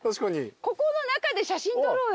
ここの中で写真撮ろうよ。